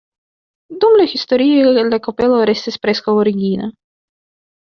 Dum la historio la kapelo restis preskaŭ origina.